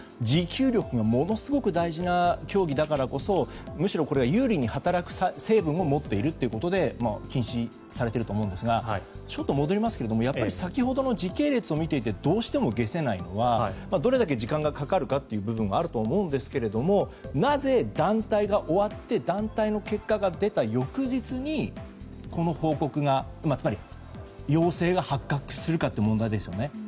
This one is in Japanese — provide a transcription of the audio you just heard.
持久力がものすごく大事な競技だからこそむしろこれが有利に働く成分を持っているということで禁止されていると思うんですがちょっと戻りますがやはり先ほどの時系列を見ていてどうしても解せないのはどれだけ時間がかかるかという部分もあるとは思うんですけれどもなぜ団体が終わって団体の結果が出た翌日にこの報告が、つまり陽性が発覚するかという問題ですよね。